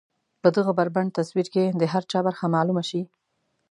په دغه بربنډ تصوير کې د هر چا برخه معلومه شي.